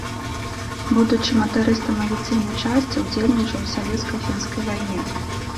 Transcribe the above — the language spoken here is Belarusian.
Будучы матарыстам авіяцыйнай часці, удзельнічаў у савецка-фінскай вайне.